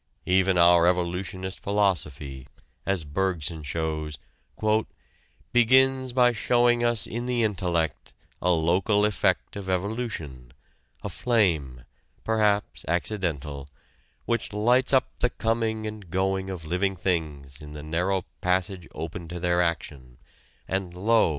Even our evolutionist philosophy, as Bergson shows, "begins by showing us in the intellect a local effect of evolution, a flame, perhaps accidental, which lights up the coming and going of living things in the narrow passage open to their action; and lo!